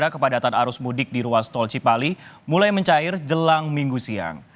kepadatan arus mudik di ruas tol cipali mulai mencair jelang minggu siang